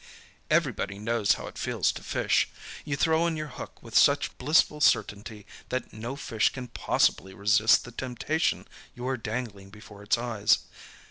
Everybody knows how it feels to fish. You throw in your hook with such blissful certainty that no fish can possibly resist the temptation you are dangling before its eyes.